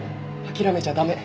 諦めちゃ駄目。